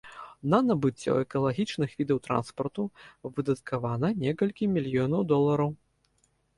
На набыццё экалагічных відаў транспарту выдаткавана некалькі мільёнаў долараў.